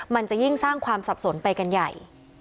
มันจะยิ่งสร้างความสับสนไปกันใหญ่